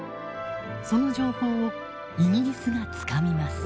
その情報をイギリスがつかみます。